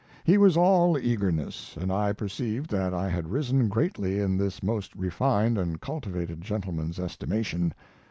He was all eagerness, and I perceived that I had risen greatly in this most refined and cultivated gentleman's estimation.